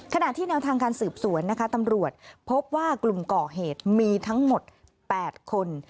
ขณะที่แนวทางการสืบสวนนะคะตำรวจพบว่ากลุ่มก่อเหตุมีทั้งหมด๘คน